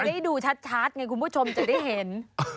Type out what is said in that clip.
ได้ดูชัดไงคุณผู้ชมจะได้เห็น